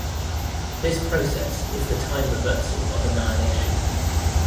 This process is the time reversal of annihilation.